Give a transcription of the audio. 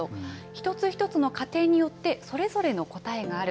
一つ一つの家庭によって、それぞれの答えがある。